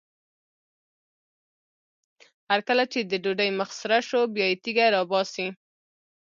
هر کله چې د ډوډۍ مخ سره شو بیا یې تیږه راباسي.